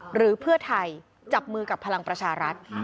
หรือเพื่อไทยจับมือกับพลังประชารัฐ